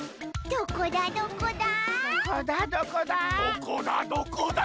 どこだどこだ？